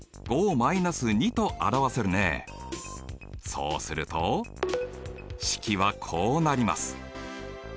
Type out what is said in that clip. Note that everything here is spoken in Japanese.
そうすると式はこうなります。